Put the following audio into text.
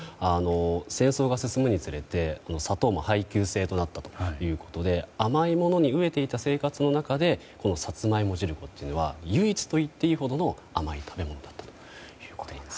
戦争が進むにつれて砂糖も配給制となったということで甘いものに飢えていた生活の中でさつまいも汁粉というのは唯一と言っていいほどの甘い食べ物だったんです。